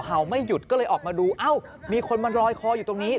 ไม่หยุดก็เลยออกมาดูเอ้ามีคนมารอยคออยู่ตรงนี้